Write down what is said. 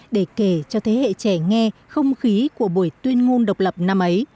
để kể cho thế hệ trẻ nghe không khí của buổi tuyên ngôn độc lập năm ấy